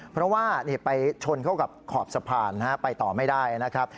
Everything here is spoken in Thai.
เพราะว่าไปชนเข้ากับขอบสะพานไปต่อไม่ได้นะครับ